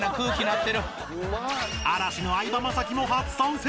嵐の相葉雅紀も初参戦